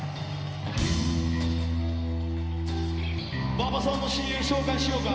馬場さんの親友紹介しようか。